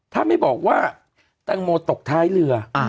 ถ้าไม่บอกว่าแตงโมตกท้ายเรือ